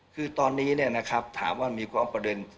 คือตอนนี้เนี่ยนะครับถามว่ามีกว้างประเด็น